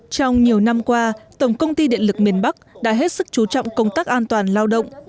trong nhiều năm qua tổng công ty điện lực miền bắc đã hết sức chú trọng công tác an toàn lao động